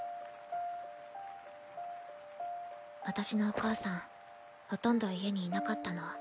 私のお母さんほとんど家にいなかったの。